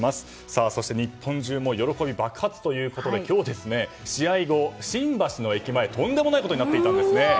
日本中も喜び爆発ということで今日、試合後、新橋の駅前とんでもないことになっていたんですね。